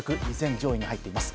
上位に入っています。